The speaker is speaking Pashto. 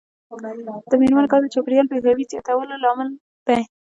د میرمنو کار د چاپیریال پوهاوي زیاتولو لامل دی.